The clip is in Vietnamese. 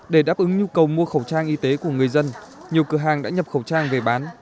để đáp ứng nhu cầu mua khẩu trang y tế của người dân nhiều cửa hàng đã nhập khẩu trang về bán